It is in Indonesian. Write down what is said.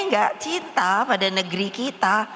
nggak cinta pada negeri kita